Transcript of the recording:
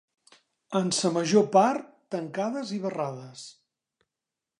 ...en sa major part tancades i barrades